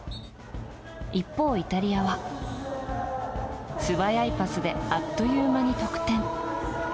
一方、イタリアは素早いパスであっという間に得点。